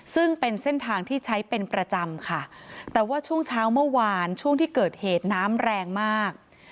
ซึ่งเป็นเส้นทางที่ใช้เป็นประจำค่ะแต่ว่าช่วงเช้าเมื่อวานช่วงที่เกิดเหตุน้ำแรงมาก